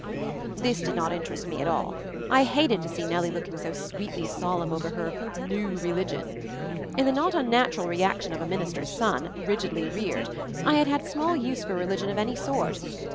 This did not interest me at all. I hated MOVING THE MOUNTAIN 43 to see Nellie looking so sweetly solemn over her "New Religion," In the not unnatural reaction of a minister's son, rigidly reared, I had had small use for religion of any sort.